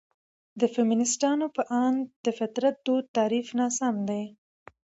د فيمنستانو په اند: ''...د فطرت دود تعريف ناسم دى.